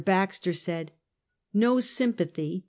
Baxter said: " ]S'o sympathy